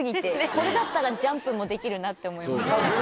これだったらジャンプもできるなって思いました。